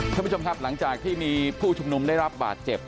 ท่านผู้ชมครับหลังจากที่มีผู้ชุมนุมได้รับบาดเจ็บ